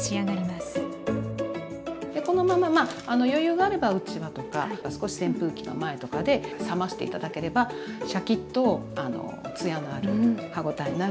このまままあ余裕があればうちわとか少し扇風機の前とかで冷まして頂ければシャキッと艶のある歯応えのあるおいしいすし飯になると。